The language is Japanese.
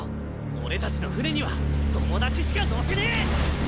俺たちの船には友達しか乗せねえ！